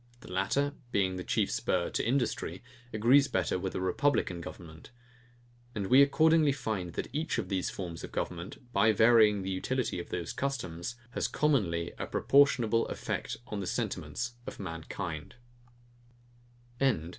The latter, being the chief spur to industry, agrees better with a republican government. And we accordingly find that each of these forms of government, by varying the utility of those customs, has commonly a proportionable effect on the sentiments of mankind.